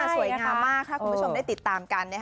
สวยงามมากถ้าคุณผู้ชมได้ติดตามกัน